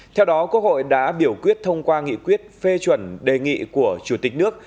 theo đó quốc hội đã biểu quyết thông qua nghị quyết phê chuẩn đề nghị của chủ tịch nước